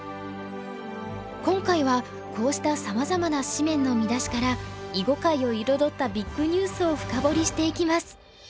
今回はこうしたさまざまな紙面の見出しから囲碁界を彩ったビッグニュースを深掘りしていきます。